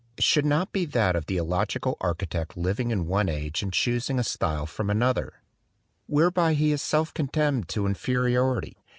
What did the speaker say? "should not be that of the illogical architect living in one age and choosing a style from an other," whereby he is self condemned to inferi ority.